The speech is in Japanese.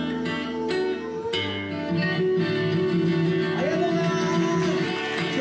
ありがとうございます！